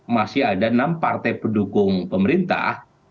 masih ada enam partai pendukung pemerintah